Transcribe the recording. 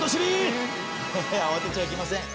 あわてちゃいけません。